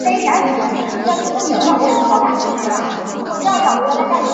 与邻站中井站及中野坂上站一样将月台设于首都高速中央环状新宿线下方。